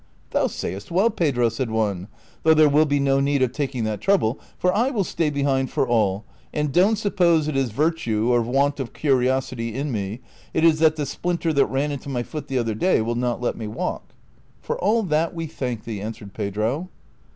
" Thou sayest well, Pedro," said one, '' though there will be no need of taking that trouble, for I will stay behind for all ; and don't suppose it is virtue or want of curiosity in me ; it is that the splinter that ran into my foot the other day will not let me walk." " For all that, we thank thee," answered Pedro.